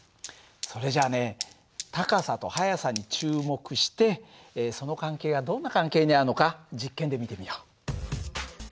それじゃあね高さと速さに注目してその関係がどんな関係にあるのか実験で見てみよう。